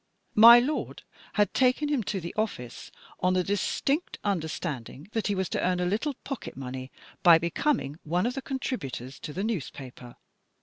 My lord had taken him to the office, on the distinct understanding that he was to earn a little pocket money by becoming one of the contributors to the newspaper.